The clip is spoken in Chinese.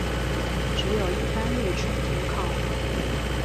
只有一般列车停靠。